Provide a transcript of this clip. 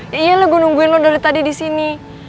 ya iyalah gue nungguin lo dari tadi di sini